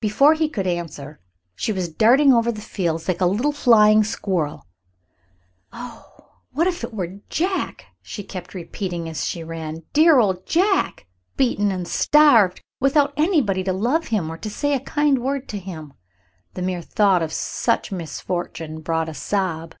Before he could answer she was darting over the fields like a little flying squirrel. "Oh, what if it were Jack!" she kept repeating as she ran. "Dear old Jack, beaten and starved, without anybody to love him or say a kind word to him." The mere thought of such misfortune brought a sob.